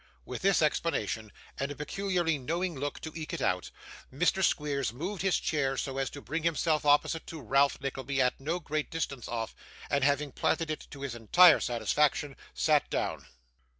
With this explanation, and a peculiarly knowing look to eke it out, Mr. Squeers moved his chair so as to bring himself opposite to Ralph Nickleby at no great distance off; and having planted it to his entire satisfaction, sat down.